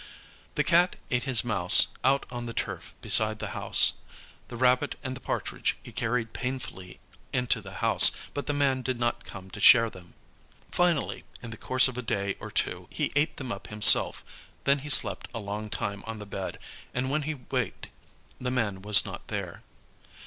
The Cat ate his mouse out on the turf beside the house; the rabbit and the partridge he carried painfully into the house, but the man did not come to share them. Finally, in the course of a day or two, he ate them up himself; then he slept a long time on the bed, and when he waked the man was not there.